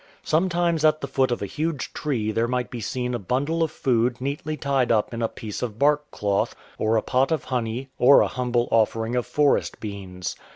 Sometimes at the foot of a huge tree there might be seen a bundle of food neatly tied up in a piece of bark cloth, or a pot of honey, or a humble offer ing of forest beans.